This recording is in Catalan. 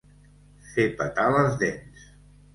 Fer petar les dents.